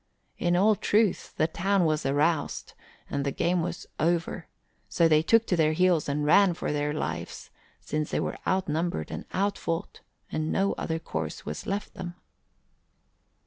In all truth, the town was aroused and the game was over, so they took to their heels and ran for their lives, since they were outnumbered and outfought and no other course was left them.